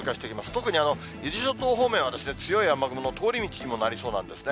特に伊豆諸島方面は、強い雨雲の通り道にもなりそうなんですね。